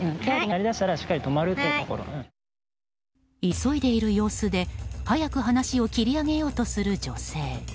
急いでいる様子で、早く話を切り上げようとする女性。